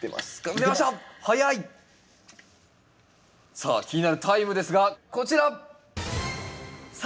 さあ気になるタイムですがこちら！